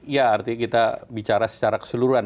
ya artinya kita bicara secara keseluruhan